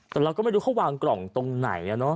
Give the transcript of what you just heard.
แต่เราก็ไม่รู้เขาวางกล่องตรงไหน